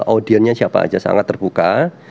audienya siapa aja sangat terbuka